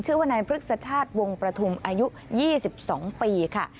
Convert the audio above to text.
ชื่อว่านายพฤกษชาติวงประทุมอายุ๒๒ปีค่ะ